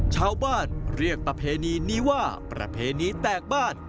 ชาวบ้านเรียกประเพณีนี้ว่าประเพณีแตกบ้าน